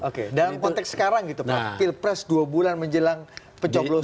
oke dalam konteks sekarang gitu pak pilpres dua bulan menjelang pencoblosan